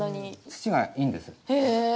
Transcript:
土がいいんです。